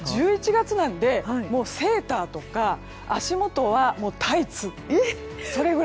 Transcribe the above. １１月なのでセーターとか足元はタイツとか。